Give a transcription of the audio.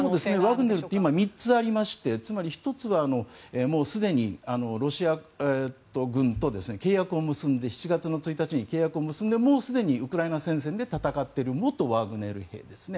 ワグネルは今３つありましてつまり、１つはすでにロシア軍と７月１日に契約を結んでもうすでにウクライナ戦線で戦っている元ワグネル兵ですね。